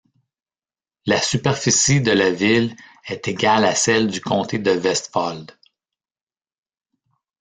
La superficie de la ville est égale à celle du comté de Vestfold.